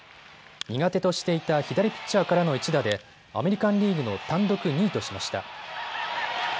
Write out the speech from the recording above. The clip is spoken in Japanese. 苦手としていた左ピッチャーからの１打でアメリカンリーグの単独２位としました。